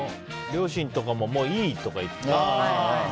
両親とかも、もういいとか言って。